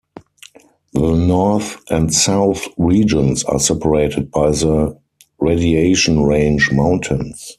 The north and south regions are separated by the 'Radiation Range' mountains.